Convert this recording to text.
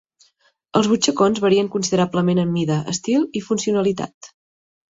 Els butxacons varien considerablement en mida, estil i funcionalitat.